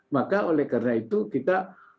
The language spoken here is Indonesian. maka oleh karena itu kita menganggap bahwa